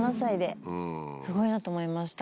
すごいなと思いました。